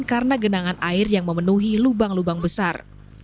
karena genangan air yang memenuhi lubang lubang besar